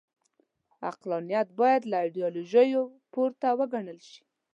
عقلانیت باید له ایډیالوژیو پورته وګڼل شي.